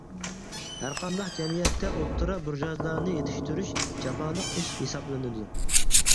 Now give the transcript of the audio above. ھەرقانداق جەمئىيەتتە ئوتتۇرا بۇرژۇئازلارنى يېتىشتۈرۈش جاپالىق ئىش ھېسابلىنىدۇ.